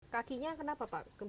kakinya kenapa pak